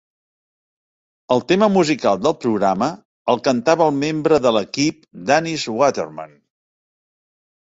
El tema musical del programa el cantava el membre de l'equip Dannis Waterman.